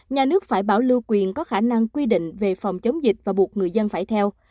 nhà nước phải bảo lưu quyền có khả năng quy định về phòng chống dịch và buộc người dân phải theo